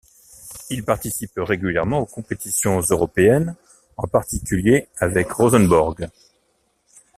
Il participe régulièrement aux compétitions européennes, en particulier avec Rosenborg.